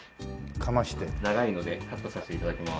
長いのでカットさせて頂きます。